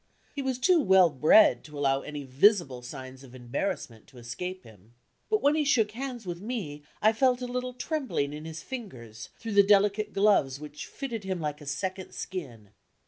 He was too well bred to allow any visible signs of embarrassment to escape him. But when he shook hands with me, I felt a little trembling in his fingers, through the delicate gloves which fitted him like a second skin.